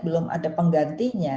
belum ada penggantinya